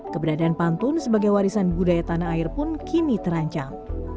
keberadaan pantun sebagai warisan budaya tanah air pun kini terancam